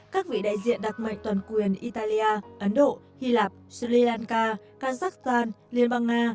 các vị đại diện đặc mệnh toàn quyền italia ấn độ hy lạp sri lanka kazakhstan liên bang nga